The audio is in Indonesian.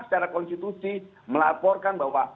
secara konstitusi melaporkan bahwa